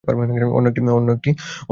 অন্য একটি কন্ঠস্বর।